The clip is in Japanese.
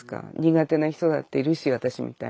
苦手な人だっているし私みたいに。